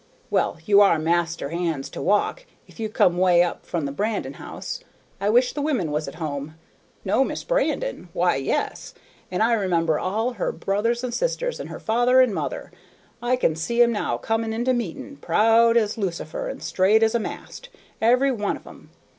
Well, you are master hands to walk, if you come way up from the Brandon house. I wish the women was at home. Know Miss Brandon? Why, yes; and I remember all her brothers and sisters, and her father and mother. I can see 'em now coming into meeting, proud as Lucifer and straight as a mast, every one of 'em.